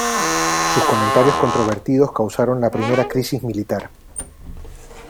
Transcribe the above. Sus comentarios controvertidos causaron la primera crisis militar.